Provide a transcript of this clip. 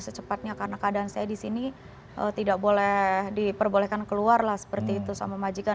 secepatnya karena keadaan saya di sini tidak boleh diperbolehkan keluar lah seperti itu sama majikan